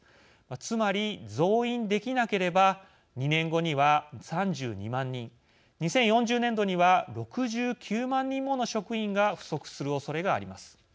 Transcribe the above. つまり、増員できなければ２年後には３２万人２０４０年度には６９万人もの職員が不足するおそれがあります。